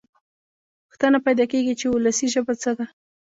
پوښتنه پیدا کېږي چې وولسي ژبه څه ده.